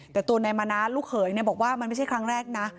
แต่ตัวนายมานะลูกเขยบอกว่ามันไม่ใช่ครั้งแรกนะ